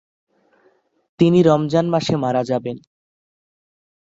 তিনি রমজান মাসে মারা যাবেন।